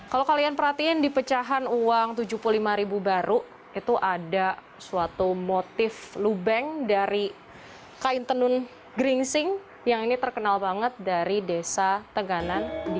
kalau kalian perhatiin di pecahan uang rp tujuh puluh lima ribu baru itu ada suatu motif lubeng dari kain tenun geringsing yang ini terkenal banget dari desa tenganan